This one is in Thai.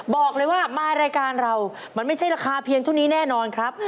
บอกเลยว่ามารายการเรามันไม่ใช่ราคาเพียงเท่านี้แน่นอนครับ